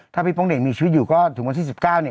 ถ้าพี่โป๊งเหน่งมีชีวิตอยู่ถึงวันที่๑๙